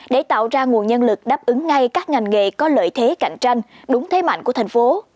để tạo ra nguồn nhân lực đáp ứng ngay các ngành nghề có lợi thế cạnh tranh đúng thế mạnh của thành phố